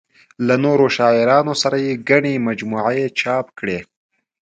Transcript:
له نورو شاعرانو سره یې ګڼې مجموعې چاپ کړې.